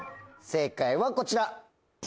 正解はこちら。